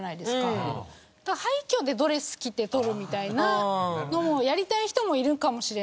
廃虚でドレス着て撮るみたいなのもやりたい人もいるかもしれないので。